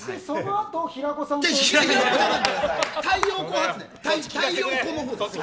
そのあと、平子さんと。